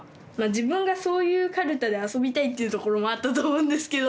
自分がそういうカルタで遊びたいっていうところもあったと思うんですけど。